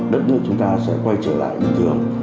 đất nước chúng ta sẽ quay trở lại bình thường